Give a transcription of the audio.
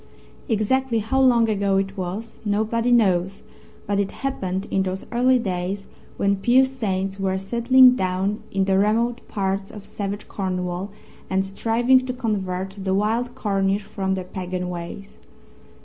Exactly how long ago it was nobody knows, but it happened in those early days when pious saints were settling down in the remote parts of savage Cornwall and striving to convert the wild Cornish from their pagan ways.